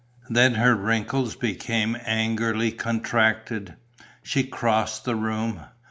Then her wrinkles became angrily contracted. She crossed the room.